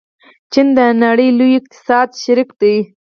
چین د نړۍ لوی اقتصادي شریک دی.